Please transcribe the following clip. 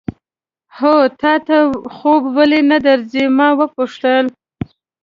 هو، تا ته خوب ولې نه درځي؟ ما وپوښتل.